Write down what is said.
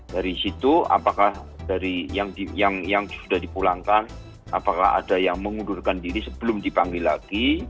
dari situ apakah dari yang sudah dipulangkan apakah ada yang mengundurkan diri sebelum dipanggil lagi